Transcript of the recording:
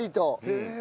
へえ。